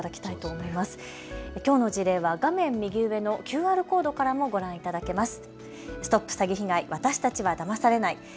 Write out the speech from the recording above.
きょうの事例は画面右上のＱＲコードからもご覧いただけます。